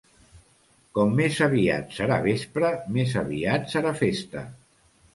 Com més aviat serà vespre, més aviat serà festa.